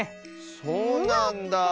そうなんだあ。